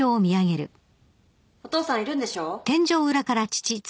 お父さんいるんでしょ？